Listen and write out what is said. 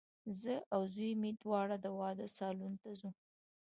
زه او زوی مي دواړه د واده سالون ته ځو